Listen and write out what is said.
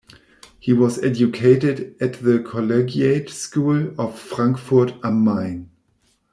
He was educated at the Collegiate School of Frankfurt am Main.